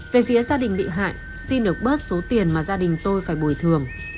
về phía gia đình bị hại xin được bớt số tiền mà gia đình tôi phải bồi thường